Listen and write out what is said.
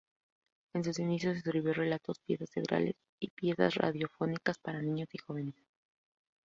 En sus inicios escribió relatos, piezas teatrales y piezas radiofónicas para niños y jóvenes.